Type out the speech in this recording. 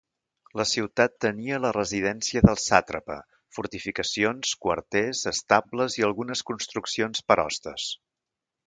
La ciutat tenia la residència del sàtrapa, fortificacions, quarters, estables i algunes construccions per hostes.